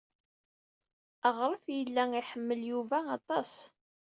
Aɣref yella iḥemmel Yuba aṭas.